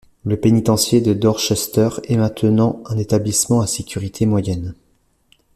Le Pénitencier de Dorchester est maintenant un établissement à sécurité moyenne.